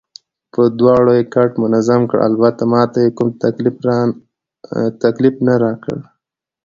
په دواړو یې کټ منظم کړ، البته ما ته یې کوم تکلیف نه راکړ.